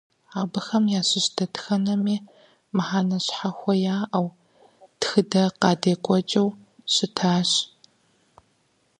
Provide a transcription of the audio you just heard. Абыхэм ящыщ дэтхэнэми мыхьэнэ щхьэхуэ яӀэу, тхыдэ къадекӀуэкӀыу щытщ.